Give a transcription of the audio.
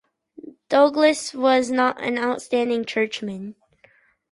Douglas was not an outstanding churchman.